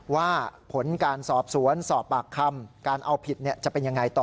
ว่าผลการสอบสวนสอบปากคำการเอาผิดจะเป็นยังไงต่อ